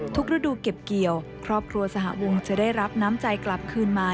ฤดูเก็บเกี่ยวครอบครัวสหวงจะได้รับน้ำใจกลับคืนมา